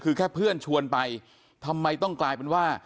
คือแค่เพื่อนชวนไปทำไมต้องกลายเป็นว่า